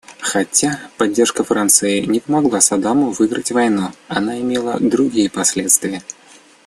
Хотя поддержка Франции не помогла Саддаму выиграть войну, она имела другие последствия.